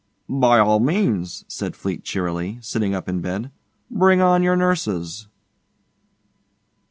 'By all means,' said Fleete cheerily, sitting up in bed. 'Bring on your nurses.